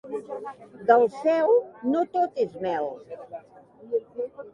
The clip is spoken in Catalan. Del cel no tot és mel.